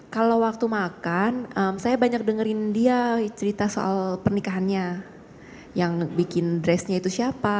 kalau waktu makan saya banyak dengerin dia cerita soal pernikahannya yang bikin dressnya itu siapa